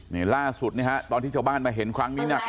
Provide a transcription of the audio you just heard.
นี่ล่าสุดเนี่ยฮะตอนที่เจ้าบ้านมาเห็นครั้งนี้เนี่ย